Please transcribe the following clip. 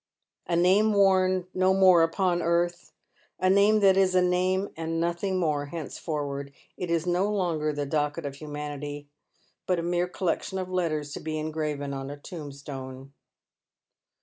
A name worn no more upon earth — a name that is a name, and nothing more henceforward. It is no longer the docket of numanity, but a mere collection of letters to be engraven on a tombstone.